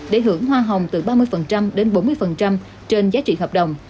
để hưởng hoa hồng từ ba mươi đến bốn mươi trên giá trị hợp đồng